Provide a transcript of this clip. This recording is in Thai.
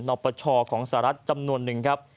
ปปชของสหรัฐจำนวนหนึ่งครับ